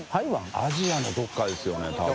アジアのどこかですよね多分。